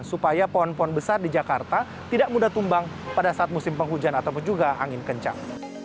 supaya pohon pohon besar di jakarta tidak mudah tumbang pada saat musim penghujan ataupun juga angin kencang